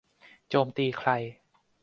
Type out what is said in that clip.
โจมตีใคร